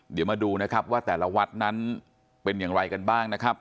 เดี๋ยวมาดูนะครับว่าแต่ละวัดนั้นเป็นอย่างไรกันบ้างนะครับ